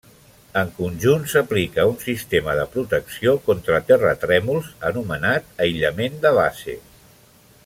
En conjunt, s'aplica un sistema de protecció contra terratrèmols anomenat aïllament de base.